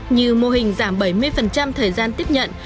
như mô hình giảm bảy mươi thời gian tiếp nhận